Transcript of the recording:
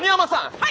はい！